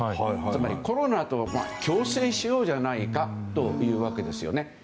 つまりコロナと共生しようじゃないかというわけですね。